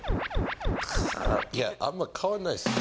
いや、あんま変わんないっす。